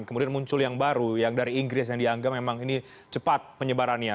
kemudian muncul yang baru yang dari inggris yang dianggap memang ini cepat penyebarannya